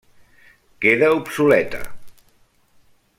Queda obsoleta.